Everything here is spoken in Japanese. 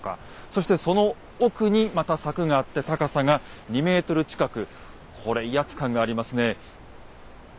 そしてその奥にまた柵があって高さが２ｍ近くこれ威圧感がありますね。